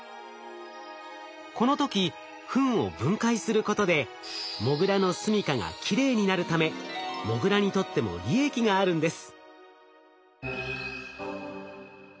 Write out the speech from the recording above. この時ふんを分解することでモグラのすみかがきれいになるためモグラにとっても利益があるんです。